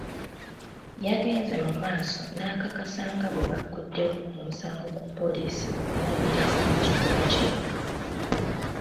Yagenze mu maaso n'akakasa nga bwe bagguddewo omusango ku poliisi okunoonyereza ku kikolwa kino.